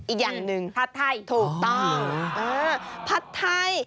อีกอย่างหนึ่งผัดไทยถูกต้องเออผัดไทย